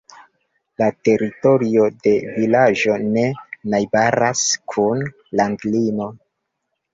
La teritorio de vilaĝo ne najbaras kun landlimo.